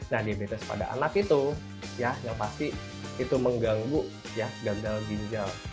nah diabetes pada anak itu ya yang pasti itu mengganggu ya gagal ginjal